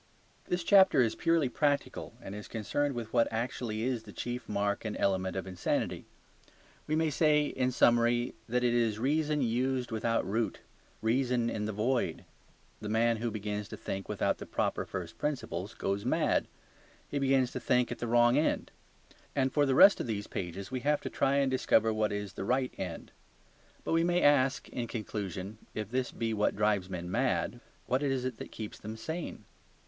This chapter is purely practical and is concerned with what actually is the chief mark and element of insanity; we may say in summary that it is reason used without root, reason in the void. The man who begins to think without the proper first principles goes mad; he begins to think at the wrong end. And for the rest of these pages we have to try and discover what is the right end. But we may ask in conclusion, if this be what drives men mad, what is it that keeps them sane?